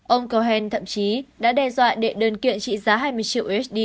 ông cohen thậm chí đã đe dọa đệ đơn kiện trị giá hai mươi triệu usd